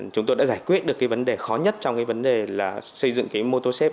chúng tôi đã giải quyết được vấn đề khó nhất trong vấn đề xây dựng mô tô xếp